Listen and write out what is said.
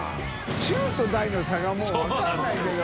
中」と「大」の差がもう分からないけど。